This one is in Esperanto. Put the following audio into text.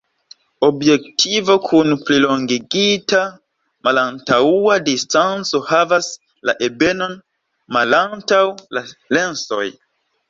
Objektivo kun plilongigita malantaŭa distanco havas la ebenon malantaŭ la lensoj.